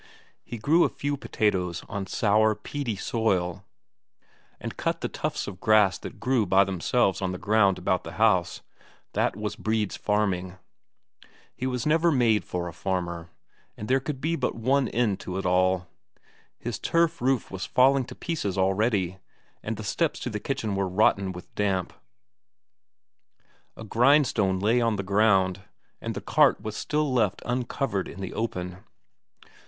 He grew a few potatoes on sour, peaty soil, and cut the tufts of grass that grew by themselves on the ground about the house that was Brede's farming. He was never made for a farmer, and there could be but one end to it all. His turf roof was falling to pieces already, and the steps to the kitchen were rotten with damp; a grindstone lay on the ground, and the cart was still left uncovered in the open.